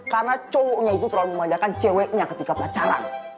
karena cowoknya itu terlalu memanjakan ceweknya ketika pacaran